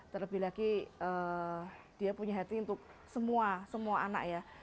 terlebih lagi dia punya hati untuk semua semua anak ya